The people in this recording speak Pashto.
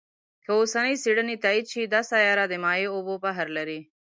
که اوسنۍ څېړنې تایید شي، دا سیاره د مایع اوبو بحر لري.